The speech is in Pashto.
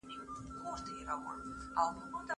د قافیي په علم پوهېدل خورا اړین دي.